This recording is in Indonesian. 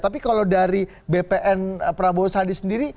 tapi kalau dari bpn prabowo sandi sendiri